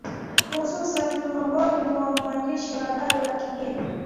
hususan miongoni mwa waandishi wa habari wa kigeni